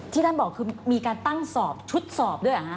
ที่ท่านบอกคือมีการตั้งสอบชุดสอบด้วยเหรอฮะ